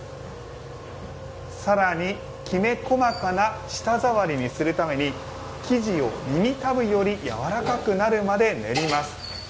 さらに、きめこまかな舌触りにするために生地を耳たぶよりやわらかくなるまで練ります。